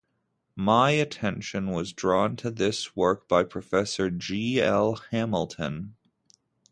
My attention was drawn to this work by Professor G. L. Hamilton.